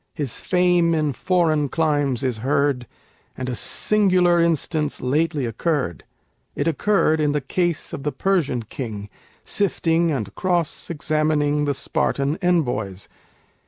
His fame in foreign climes is heard, And a singular instance lately occurred. It occurred in the case of the Persian king, Sifting and cross examining The Spartan envoys.